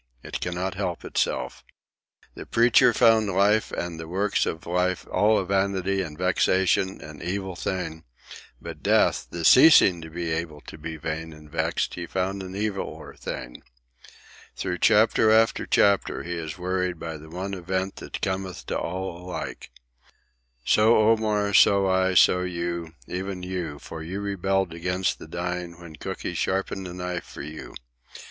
It cannot help itself. The Preacher found life and the works of life all a vanity and vexation, an evil thing; but death, the ceasing to be able to be vain and vexed, he found an eviler thing. Through chapter after chapter he is worried by the one event that cometh to all alike. So Omar, so I, so you, even you, for you rebelled against dying when Cooky sharpened a knife for you.